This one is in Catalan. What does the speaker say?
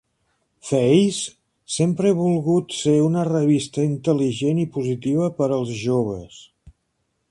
"Faze" sempre ha volgut ser una revista intel·ligent i positiva per als joves.